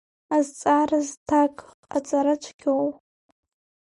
Азҵаара зҭак ҟаҵара цәгьоу.